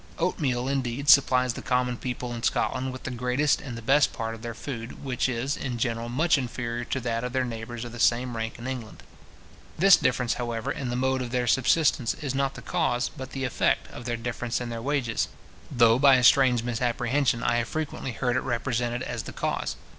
Oatmeal, indeed, supplies the common people in Scotland with the greatest and the best part of their food, which is, in general, much inferior to that of their neighbours of the same rank in England. This difference, however, in the mode of their subsistence, is not the cause, but the effect, of the difference in their wages; though, by a strange misapprehension, I have frequently heard it represented as the cause.